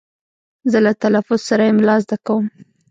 زه له تلفظ سره املا زده کوم.